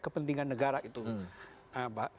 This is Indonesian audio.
kepentingan negara itu nah